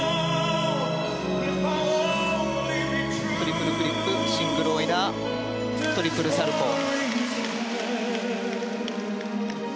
トリプルフリップシングルオイラートリプルサルコウ。